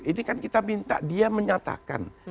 ini kan kita minta dia menyatakan